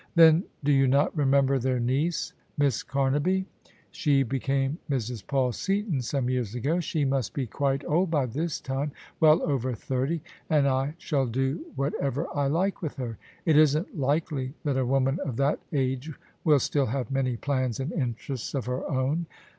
"Then do you not remember their niece. Miss Camaby? She became Mrs. Paul Seaton some years ago. She must be quite old by this time — ^well over thirty: and I shall do whatever I like with her. It isn't likely that a woman of that age will still have many plans and interests of her own."